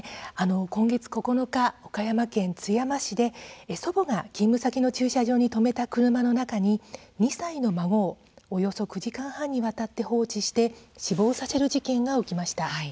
今月９日岡山県津山市で祖母が勤務先の駐車場に止めた車の中に２歳の女の子をおよそ９時間半にわたって放置して死亡させる事件が起きました。